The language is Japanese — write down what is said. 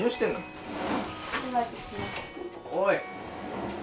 おい。